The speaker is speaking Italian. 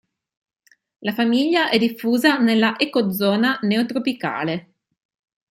La famiglia è diffusa nella ecozona neotropicale.